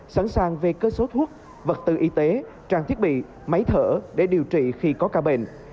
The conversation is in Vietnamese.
sẵn sàng về cơ số thuốc vật tư y tế trang thiết bị máy thở để điều trị khi có ca bệnh